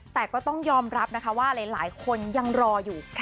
แต่ก็ต้องยอมรับนะคะว่าหลายคนยังรออยู่